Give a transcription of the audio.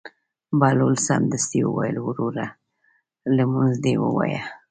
بهلول سمدستي وویل: وروره لمونځ دې ووایه.